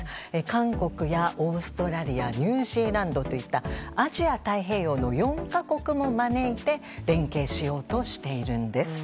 韓国、オーストラリアニュージーランドといったアジア太平洋の４か国も招いて連携しようとしているんです。